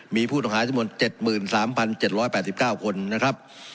มีผู้ต้องหาจำนวน๗๓๗๘๙คนนะครับ